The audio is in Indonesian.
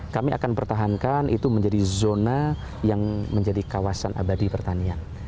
kami akan pertahankan itu menjadi zona yang menjadi kawasan abadi pertanian